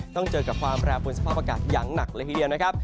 ต้องเจอกับความแปรปวนสภาพอากาศอย่างหนักเลยทีเดียวนะครับ